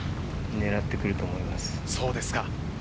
狙ってくると思います。